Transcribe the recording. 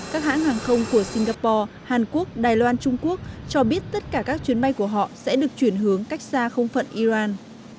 các hãng hàng không của singapore hàn quốc đài loan trung quốc cho biết tất cả các chuyến bay của họ sẽ được chuyển hướng cách xa không phận iran